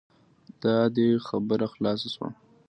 دا دی خبره خلاصه شوه.